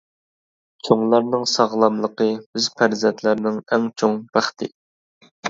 چوڭلارنىڭ ساغلاملىقى بىز پەرزەنتلەرنىڭ ئەڭ چوڭ بەختى.